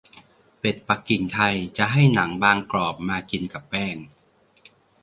เป็ดปักกิ่งไทยจะให้หนังบางกรอบมากินกับแป้ง